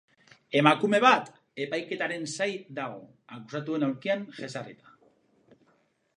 Emakume bat epaiketaren zai dago akusatuen aulkian jezarrita.